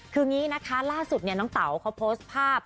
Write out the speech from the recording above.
คืออย่างนี้นะคะล่าสุดเนี่ยน้องเต๋าเขาโพสต์ภาพ